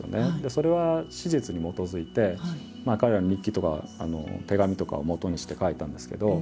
それは史実に基づいて彼らの日記とか手紙とかをもとにして書いたんですけど。